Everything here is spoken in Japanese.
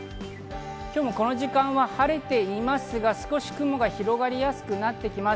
今日もこの時間は晴れていますが、少し雲が広がりやすくなってきます。